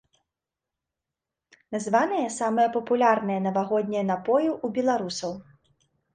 Названыя самыя папулярныя навагоднія напоі ў беларусаў.